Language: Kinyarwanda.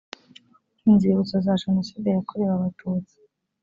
inzibutso za jenoside yakorewe abatutsi